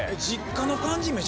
実家の感じ